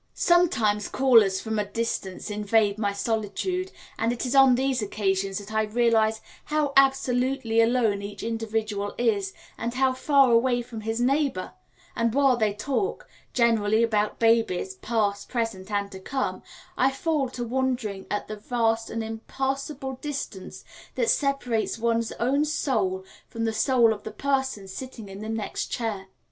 Sometimes callers from a distance invade my solitude, and it is on these occasions that I realise how absolutely alone each individual is, and how far away from his neighbour; and while they talk (generally about babies, past, present, and to come), I fall to wondering at the vast and impassable distance that separates one's own soul from the soul of the person sitting in the next chair.